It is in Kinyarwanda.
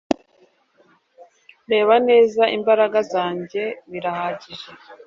reba neza imbaraga zanjye birahagije